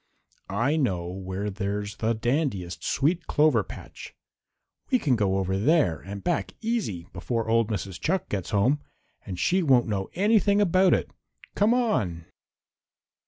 I know where there's the dandiest sweet clover patch. We can go over there and back easy before old Mrs. Chuck gets home, and she won't know anything about it. Come on!"